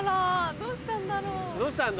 どうしたんだろう？